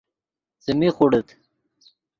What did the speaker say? څیمی خوڑیت